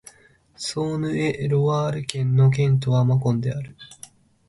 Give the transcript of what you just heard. ソーヌ＝エ＝ロワール県の県都はマコンである